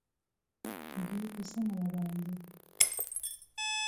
دوی په سمه لار روان دي.